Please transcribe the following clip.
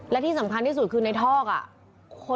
และที่สำคัญที่สุดคือในทอก